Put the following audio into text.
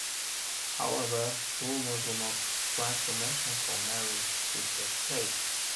However, Romulus will not grant permission for the marriage to take place.